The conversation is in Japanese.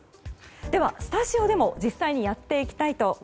では、スタジオでも実際にやっていきます。